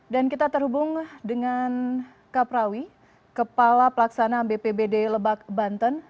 dan kita terhubung dengan kak prawi kepala pelaksanaan bpbd lebak banten